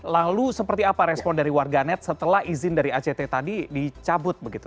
lalu seperti apa respon dari warganet setelah izin dari act tadi dicabut begitu